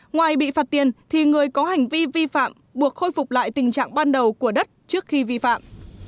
ngoài bị phạt tiền thì người có hành vi vi phạm buộc khôi phục lại tình trạng ban đầu của đất trước khi vi phạm